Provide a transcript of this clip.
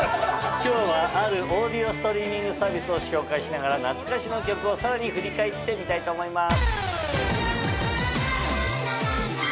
今日はあるオーディオストリーミングサービスを紹介しながら懐かしの曲をさらに振り返ってみたいと思います。